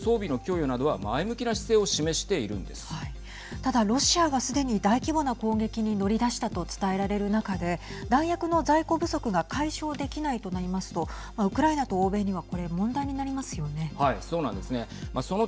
ただ、ロシアがすでに大規模な攻撃に乗り出したと伝えられる中で弾薬の在庫不足が解消できないとなりますとウクライナと欧米にはこれ、問題になりますよね。